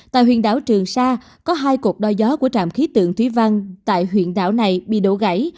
tại huyện đảo trường sa có hai cuộc đoi gió của trạm khí tượng thúy văn tại huyện đảo này bị đổ gãy